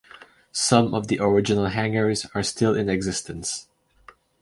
Some of the original hangars are still in existence.